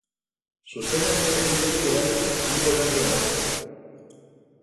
Zuzenean hitz egin dugu berarekin hango berri emateko.